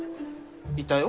いたよ。